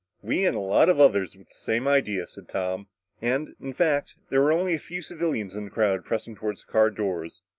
"We and a lot of others with the same idea," said Tom. And, in fact, there were only a few civilians in the crowd pressing toward the car doors.